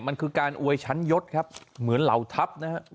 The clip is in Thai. มันคือการอวยชั้นยศครับเหมือนเหล่าทัพนะฮะ